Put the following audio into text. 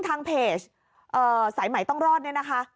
ทางเพจสัยใหม่ต้องรอดนะแท้